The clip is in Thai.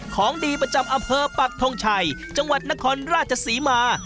ของดีประจำอำเภอปักทงชัยจังหวัดนครราชศรีมา